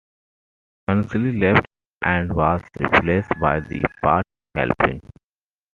Ansley left and was replaced by Pat Calpin.